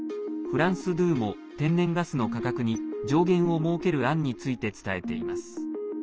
フランス２も天然ガスの価格に上限を設ける案について伝えています。